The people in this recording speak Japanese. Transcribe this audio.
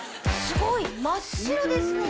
すごい真っ白ですね。